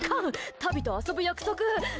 タビと遊ぶ約束。